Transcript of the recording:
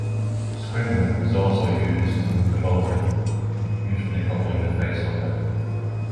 Scrim is also used in clothing, usually covering the face or head.